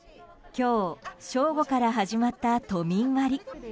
今日正午から始まった都民割。